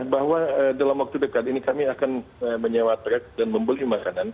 bahwa dalam waktu dekat ini kami akan menyewa trek dan membeli makanan